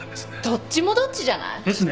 どっちもどっちじゃない？ですね。